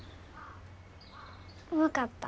分かった。